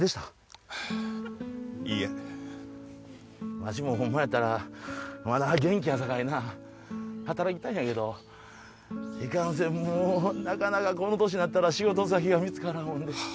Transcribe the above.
わしもホンマやったらまだ元気やさかいな働きたいんやけどいかんせんもうなかなかこの年になったら仕事先が見つからんもんで。